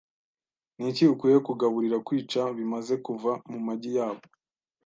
Niki ukwiye kugaburira kwica bimaze kuva mu magi yabo?